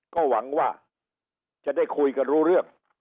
ก็หวังว่าจะได้คุยกันรู้เรื่อง